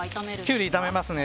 キュウリ炒めますね。